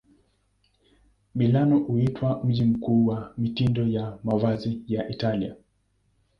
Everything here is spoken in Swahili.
Milano huitwa mji mkuu wa mitindo ya mavazi ya Italia.